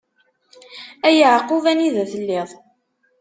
A Yeɛqub! Anida telliḍ?